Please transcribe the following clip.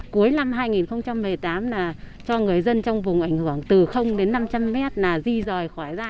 cuối năm hai nghìn một mươi tám là cho người dân trong vùng ảnh hưởng từ đến năm trăm linh mét là di rời khỏi ra